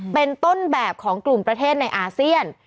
เป็นต้นแบบของกลุ่มประเทศในอาเซียน